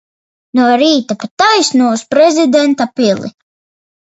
No rīta pa taisno uz prezidenta pili.